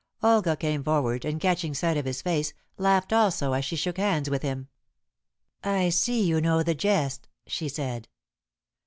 Olga came forward, and catching sight of his face, laughed also as she shook hands with him. "I see you know the jest," she said.